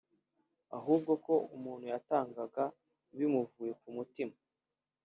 ahubwo ko umuntu yatangaga bimuvuye ku mutima